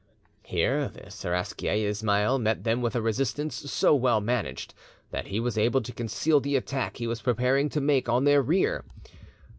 Here the Seraskier Ismail met them with a resistance so well managed, that he was able to conceal the attack he was preparing to make on their rear.